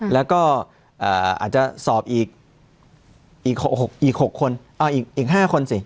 แล้วก็อาจจะสอบอีก๖คนอีก๕คนสิ